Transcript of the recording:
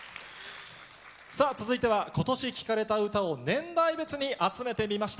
さあ、続いては、今年聴かれた歌を年代別に集めてみました。